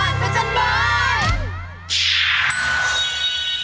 แม่บ้านพระจันทร์บ้าน